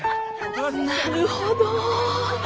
なるほど。